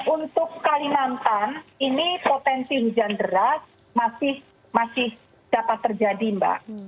untuk kalimantan ini potensi hujan deras masih dapat terjadi mbak